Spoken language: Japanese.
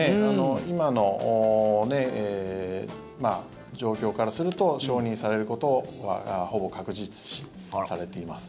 今の状況からすると承認されることはほぼ確実視されています。